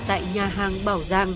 tại nhà hàng bảo giang